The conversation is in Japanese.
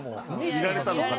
見られたのかな？